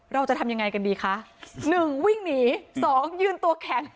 เราจะทำยังไงกันดีคะหนึ่งวิ่งหนีสองยืนตัวแข็ง